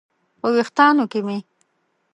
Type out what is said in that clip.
په ویښتانو کې مې